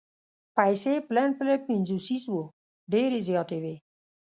پیسې پلن پلن پنځوسیز وو ډېرې زیاتې وې.